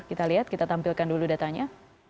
kita lihat kita tampilkan dulu datanya